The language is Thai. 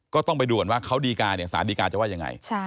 ก็ต้องไปดูก่อนว่าเขาดีการเนี่ยสารดีการจะว่ายังไง